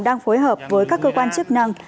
đang phối hợp với các cơ quan chức năng